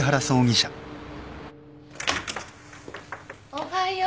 おはよう。